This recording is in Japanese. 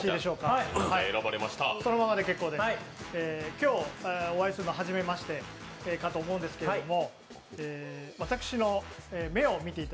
今日お会いするのははじめましてかと思うんですけれども。